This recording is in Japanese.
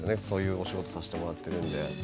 そういうお仕事をさせてもらってるので。